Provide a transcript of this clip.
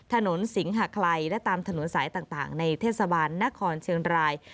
ถนนสิงหาคลัยและตามถนนสายต่างในเทศบาลนครเชียงราย